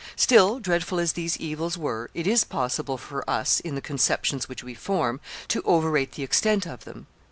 Still, dreadful as these evils were, it is possible for us, in the conceptions which we form, to overrate the extent of them.